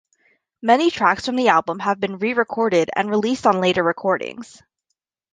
Many tracks from the album have been re-recorded and released on later recordings.